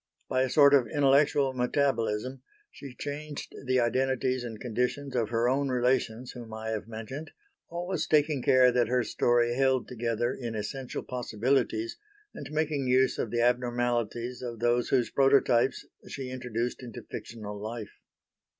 By a sort of intellectual metabolism she changed the identities and conditions of her own relations whom I have mentioned, always taking care that her story held together in essential possibilities, and making use of the abnormalities of those whose prototypes she introduced into fictional life.